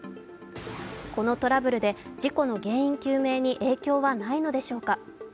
このトラブルで事故の原因究明に影響はないのでしょうか。